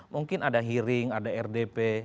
mungkin ada hearing ada rdp